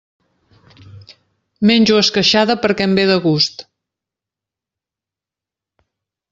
Menjo esqueixada perquè em ve de gust.